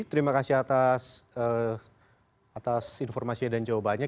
terima kasih atas informasinya dan jawabannya